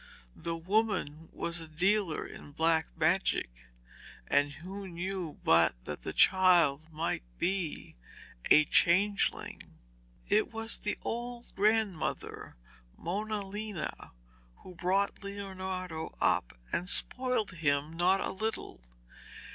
The woman was a dealer in black magic, and who knew but that the child might be a changeling? It was the old grandmother, Mona Lena, who brought Leonardo up and spoilt him not a little.